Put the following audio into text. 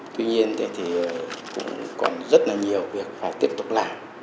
tuy nhiên thì cũng còn rất là nhiều việc phải tiếp tục làm